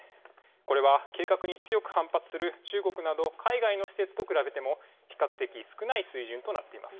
これは計画に強く反発する中国など海外の施設と比べても、比較的少ない水準となっています。